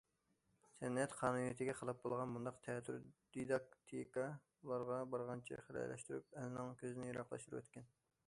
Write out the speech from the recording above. سەنئەت قانۇنىيىتىگە خىلاپ بولغان بۇنداق‹‹ تەتۈر دىداكتىكا›› ئۇلارنى بارغانچە خىرەلەشتۈرۈپ، ئەلنىڭ كۆزىدىن يىراقلاشتۇرۇۋەتكەن.